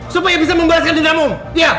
supaya bisa membalaskan dendam om